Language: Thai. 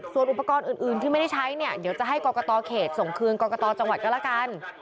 ส่วนอุปกรณ์อื่นที่ไม่ได้ใช้เนี่ยเดี๋ยวจะให้กรกตเขตส่งคืนกรกตจังหวัดก็แล้วกัน